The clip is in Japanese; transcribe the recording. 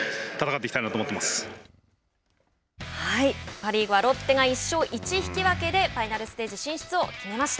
パ・リーグはロッテが１勝１引き分けでファイナルステージ進出を決めました。